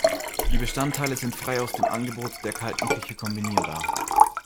Die Bestandteile sind frei aus dem Angebot der Kalten Küche kombinierbar.